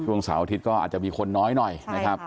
เสาร์อาทิตย์ก็อาจจะมีคนน้อยหน่อยนะครับ